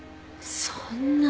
そんな